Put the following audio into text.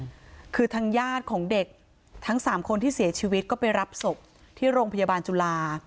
คือทางญาติของเด็กทั้งสามคนที่เสียชีวิตก็ไปรับศพที่โรงพยาบาลจุฬา